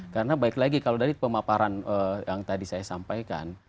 karena baik lagi kalau dari pemaparan yang tadi saya sampaikan